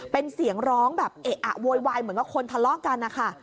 เป็นเสียงร้องแบบเอะอะโวยวายเหมือนกับคนทะเลาะกันนะคะ